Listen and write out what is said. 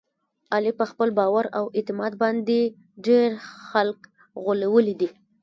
علي په خپل باور او اعتماد باندې ډېر خلک غولولي دي.